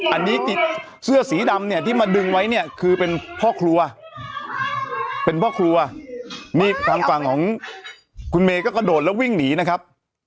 อันนี้เสื้อสีดำเนี่ยที่มาดึงไว้เนี่ยคือเป็นพ่อครัวเป็นพ่อครัวนี่ทางฝั่งของคุณเมย์ก็กระโดดแล้ววิ่งหนีนะครับ